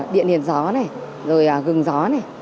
điện điện gió này rồi là gừng gió này